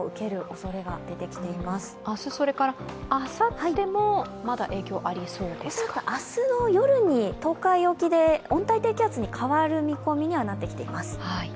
恐らく明日の夜に東海沖で温帯低気圧に変わる見込みにはなってきています。